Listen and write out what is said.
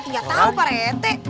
nggak tahu pak rete